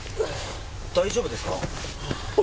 大丈夫ですか？